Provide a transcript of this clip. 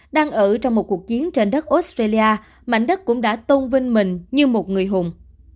đang ở trong một cuộc chiến trên đất australia mảnh đất cũng đã tôn vinh mình như một người hùng